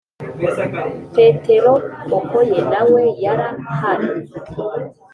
petero okoye nawe yara hari